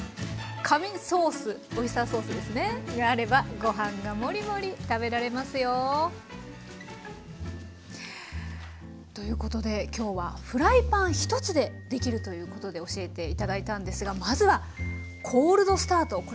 神ソースオイスターソースがあればご飯がもりもり食べられますよ。ということで今日はフライパン１つでできるということで教えて頂いたんですがまずはコールドスタート。